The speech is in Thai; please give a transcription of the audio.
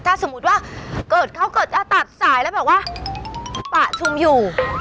ถ้าสมมุติว่าเกิดเขาเกิดจะตัดสายแล้วแบบว่าปะชุมอยู่